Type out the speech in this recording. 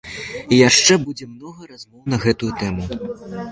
І яшчэ будзе многа размоў на гэту тэму.